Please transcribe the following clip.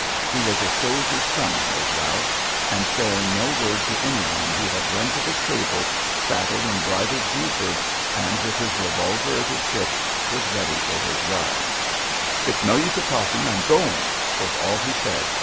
He was a soldier's son, was Ralph, and saying no word to any one he had run to the stable, saddled and bridled Buford, and with his revolver at his hip was ready for his ride. "It's no use of talking; I'm going," was all he said.